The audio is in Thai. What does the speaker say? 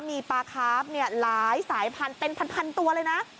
มีปลาคาร์ฟหลายสายพันธุ์เป็นพันตัวเลยนะ